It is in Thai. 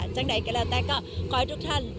จากไหนก็แล้วแต่ก็ขอให้ทุกท่าน